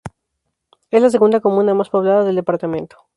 Es la segunda comuna más poblada del departamento.